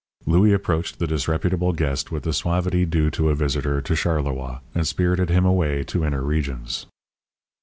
Louis approached the disreputable guest with the suavity due to a visitor to Charleroi, and spirited him away to inner regions.